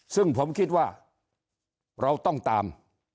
ซึ่งผมคิดว่าเราต้องตาม